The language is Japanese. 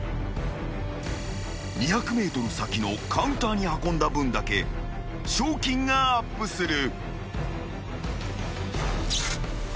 ［２００ｍ先のカウンターに運んだ分だけ賞金がアップする］